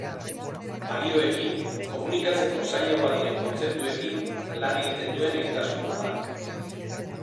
Balioekin, komunikatzeko zailagoak diren kontzeptuekin, lan egiten duen egitasmoa da.